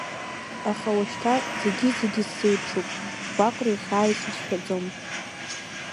Аха уашьҭа зегьы-зегь сзеиԥшуп, гәаҟреи хьааи срыцәшәаӡом.